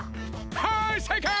はいせいかい！